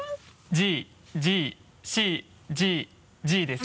「ＧＧＣＧＧ」です。